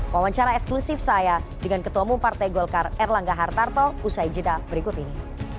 wawancara eksklusif saya dengan ketua mumpartai golkar erlangga hartarto usai jeda berikut ini